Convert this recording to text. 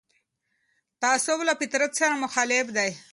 تعصب له فطرت سره مخالف دی